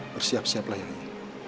bersiap siap lah yai